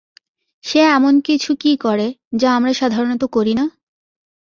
সে এমন কিছু কি করে, যা আমরা সাধারণত করি না?